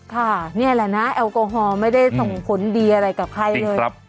ค่ะนี่แหละนะแอลกอฮอล์ไม่ได้ส่งผลดีอะไรกับใครเลย